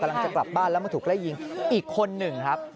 กำลังจะกลับบ้านแล้วมาถูกไล่ยิงอีกคนหนึ่งครับ